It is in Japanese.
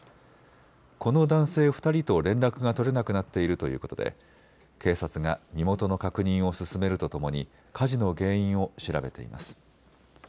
この男性２人と連絡が取れなくなっているということで警察が身元の確認を進めるとともに火事の原因を調べています。